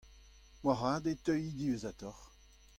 moarvat e teuy diwezhatoc'h.